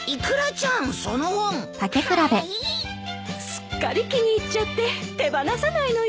すっかり気に入っちゃって手放さないのよ。